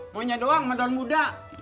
maunya doang medan muda